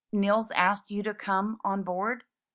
"Nils asked you to come on board?"